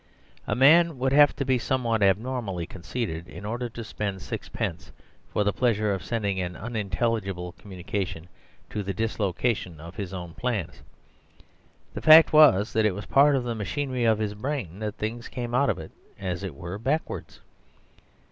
A man would have to be somewhat abnormally conceited in order to spend sixpence for the pleasure of sending an unintelligible communication to the dislocation of his own plans. The fact was, that it was part of the machinery of his brain that things came out of it, as it were, backwards.